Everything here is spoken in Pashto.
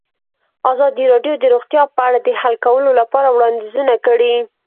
ازادي راډیو د روغتیا په اړه د حل کولو لپاره وړاندیزونه کړي.